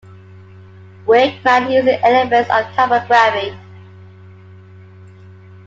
Werkman using elements of typography.